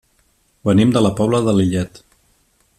Venim de la Pobla de Lillet.